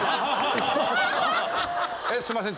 すんません。